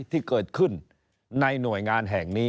ที่เกิดขึ้นในหน่วยงานแห่งนี้